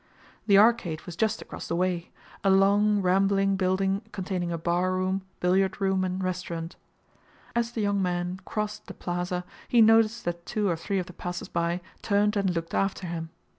The Arcade was just across the way a long, rambling building containing a barroom, billiard room, and restaurant. As the young man crossed the plaza he noticed that two or three of the passers by turned and looked after him.